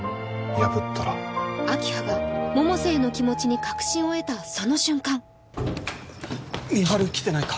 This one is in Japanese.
明葉が百瀬への気持ちに確信を得たその瞬間美晴来てないか？